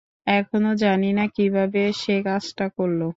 এখনও জানি না কীভাবে সে কাজটা করল!